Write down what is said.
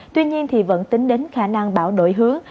tuy nhiên thì vẫn tính đến khả năng bão đổi hướng